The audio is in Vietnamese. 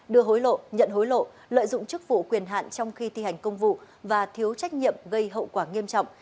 đưa hối lộ nhận hối lộ lợi dụng chức vụ quyền hạn trong khi thi hành công vụ và thiếu trách nhiệm gây hậu quả nghiêm trọng